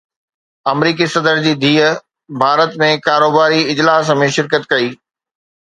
آمريڪي صدر جي ڌيءَ ڀارت ۾ ڪاروباري اجلاس ۾ شرڪت ڪئي